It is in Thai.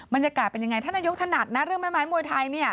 บรรยากาศเป็นยังไงท่านนายกถนัดนะเรื่องแม่ไม้มวยไทยเนี่ย